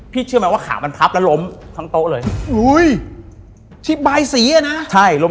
พี่เชื่อไหมว่าขามันพับแล้วลม